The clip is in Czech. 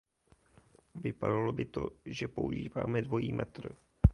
Vypadalo by to, že používáme dvojí metr.